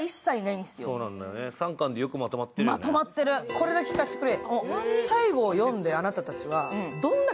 これだけ聞かせてくれ。